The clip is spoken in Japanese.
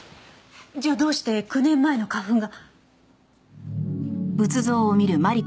じゃあどうして９年前の花粉が。